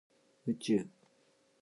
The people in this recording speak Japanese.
宇宙